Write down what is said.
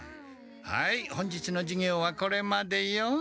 はい本日の授業はこれまでよ。